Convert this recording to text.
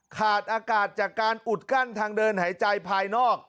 ขาดอากาศจากการอุดกั้นทางเดินหายใจภายนอก